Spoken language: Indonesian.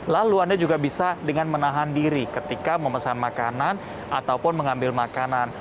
lalu anda juga bisa dengan menahan diri ketika memesan makanan ataupun mengambil makanan